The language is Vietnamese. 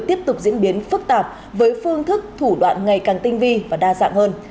tiếp tục diễn biến phức tạp với phương thức thủ đoạn ngày càng tinh vi và đa dạng hơn